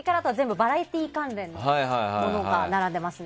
バラエティー関連のものが並んでいますね。